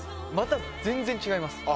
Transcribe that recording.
また全然違います。